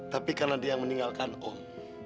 tapi karena dia yang meninggalkan om